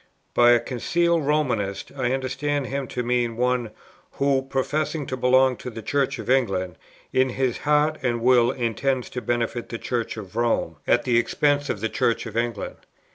"By a 'concealed Romanist' I understand him to mean one, who, professing to belong to the Church of England, in his heart and will intends to benefit the Church of Rome, at the expense of the Church of England.